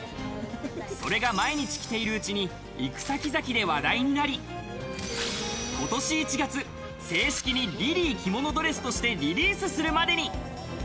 それが毎日着ているうちに行く先々で話題になり、今年１月、正式にリリー着物ドレスとしてリリースするまでに。